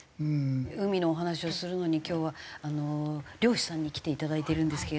海のお話をするのに今日は漁師さんに来ていただいてるんですけれども。